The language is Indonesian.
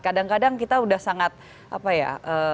kadang kadang kita sudah sangat apa ya